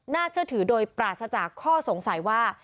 เชื่อถือโดยปราศจากข้อสงสัยว่า